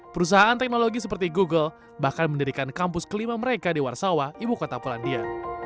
perusahaan teknologi seperti google bahkan mendirikan kampus kelima mereka di warsawa ibu kota polandia